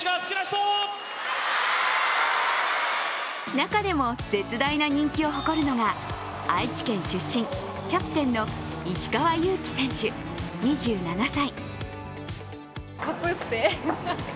中でも絶大な人気を誇るのは愛知県出身、キャプテンの石川祐希選手、２７歳。